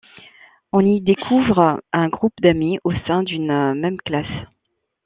On y découvre un groupe d'amis au sein d'une même classe.